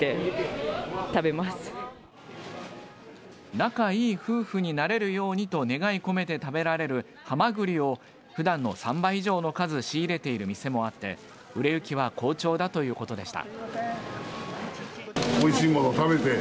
仲いい夫婦になれるようにと願いを込めて食べられるハマグリを普段の３倍以上の数仕入れている店もあって売れ行きは好調だということでした。